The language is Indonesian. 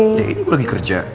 ya ini gue lagi kerja